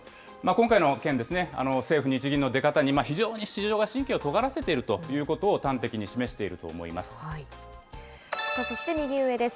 今回の件ですね、政府・日銀の出方に非常に市場が神経をとがらせているということを端的に示していると思いまそして右上です。